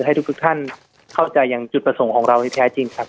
ให้ทุกท่านเข้าใจอย่างจุดประสงค์ของเราที่แท้จริงครับ